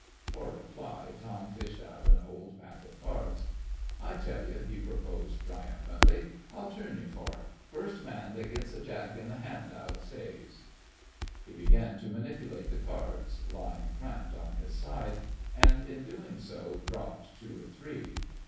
For reply, Tom fished out an old pack of cards. "I tell you," he proposed, triumphantly, "I'll turn you fer it. First man that gits a jack in th' hand out stays." He began to manipulate the cards, lying cramped on his side, and in doing so dropped two or three.